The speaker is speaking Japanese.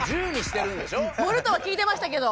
盛るとは聞いてましたけど。